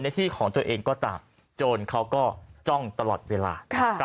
ที่ของตัวเองก็ตามโจรเขาก็จ้องตลอดเวลา